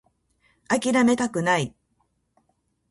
諦めたくない